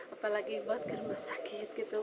apalagi buat kerbas sakit gitu